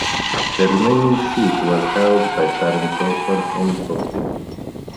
The remaining seat was held by Darren Johnson in Brockley.